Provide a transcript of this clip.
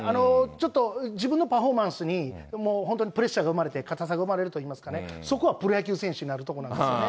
ちょっと自分のパフォーマンスにもう本当にプレッシャーが生まれて、硬さが生まれるといいますかね、そこはプロ野球選手になるところなんですよね。